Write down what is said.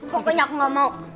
pokoknya aku gak mau